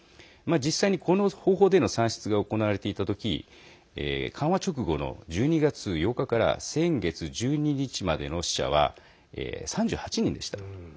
実際に、この方法での算出が行われていた時緩和直後の１２月８日から先月１２日までの死者は３８人でした。